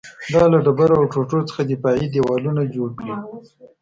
دا له ډبرو او ټوټو څخه دفاعي دېوالونه جوړ کړي